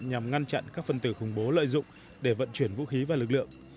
nhằm ngăn chặn các phần tử khủng bố lợi dụng để vận chuyển vũ khí và lực lượng